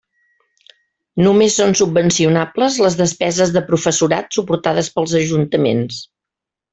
Només són subvencionables les despeses de professorat suportades pels ajuntaments.